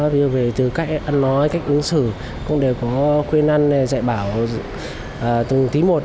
vì từ cách ăn nói cách uống sử cũng đều có khuyên ăn dạy bảo từng tí một